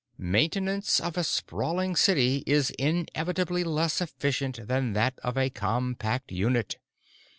Maintenance of a sprawling city is inevitably less efficient than that of a compact unit.